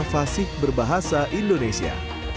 mafasik berbahasa indonesia